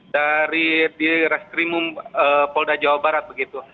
dari restrimum polda jawa barat begitu